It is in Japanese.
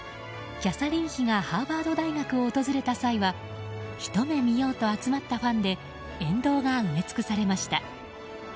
キャサリン妃がハーバード大学を訪れた際はひと目見ようと集まったファンで沿道が埋め尽くされました。